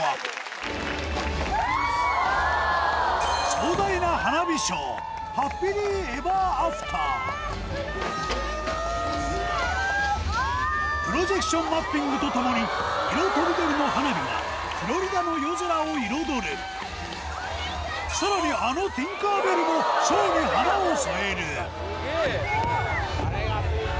壮大な花火ショープロジェクションマッピングとともに色とりどりの花火がフロリダの夜空を彩るさらにあのティンカー・ベルもショーに花を添えるスゲェ！